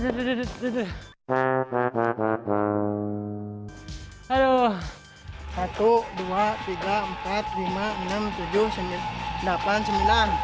aduh satu dua tiga empat lima enam tujuh delapan sembilan